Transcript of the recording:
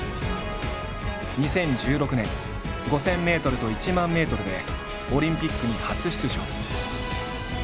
２０１６年５０００ｍと１００００ｍでオリンピックに初出場。